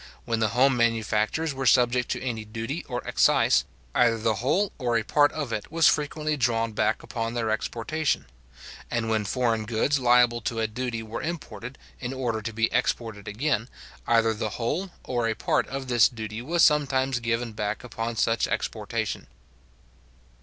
When the home manufactures were subject to any duty or excise, either the whole or a part of it was frequently drawn back upon their exportation; and when foreign goods liable to a duty were imported, in order to be exported again, either the whole or a part of this duty was sometimes given back upon such exportation.